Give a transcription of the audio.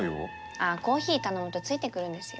ああコーヒー頼むとついてくるんですよ。